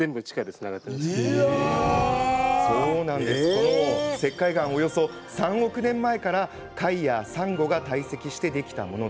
この石灰岩はおよそ３億年前から貝やサンゴが堆積してできたもの。